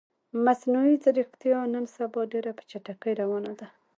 مصنوعی ځیرکتیا نن سبا ډیره په چټکې روانه ده